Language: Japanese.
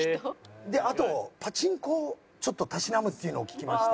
であとパチンコをちょっとたしなむっていうのを聞きまして。